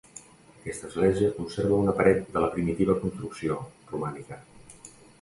Aquesta església conserva una paret de la primitiva construcció, romànica.